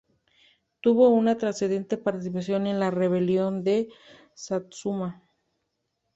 Tuvo una trascendente participación en la Rebelión de Satsuma.